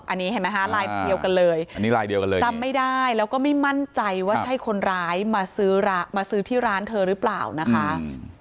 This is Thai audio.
อันนี้เห็นไหมคะลายเดียวกันเลยจำไม่ได้แล้วก็ไม่มั่นใจว่าใช่คนร้ายมาซื้อที่ร้านเธอหรือเปล่านะคะ